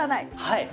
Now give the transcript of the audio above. はい！